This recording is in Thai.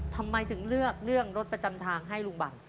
ทำไมถึงเลือกเรื่องรถประจำทางให้ลุงบัน